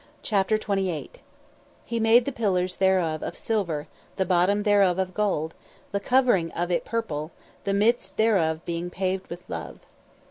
CHAPTER XXVIII "_He made the pillars thereof of silver, the bottom thereof of gold, the covering of it of purple, the midst thereof being paved with love